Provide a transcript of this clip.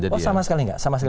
oh sama sekali tidak